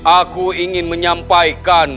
aku ingin menyampaikan